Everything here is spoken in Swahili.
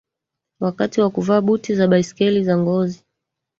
Wakati wa kuvaa buti za baiskeli za ngozi